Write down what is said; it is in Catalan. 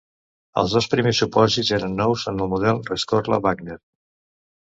Els dos primers supòsits eren nous en el model Rescorla-Wagner.